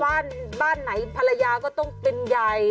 บ้านบ้านไหนภรรยาก็ต้องเป็นใหญ่